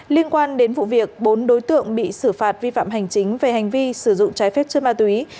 liên quan đến vụ việc bốn đối tượng bị xử phạt vi phạm hành chính về hành vi sử dụng trái phép chất ma túy